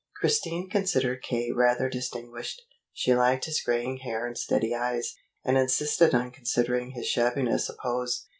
Christine considered K. rather distinguished. She liked his graying hair and steady eyes, and insisted on considering his shabbiness a pose.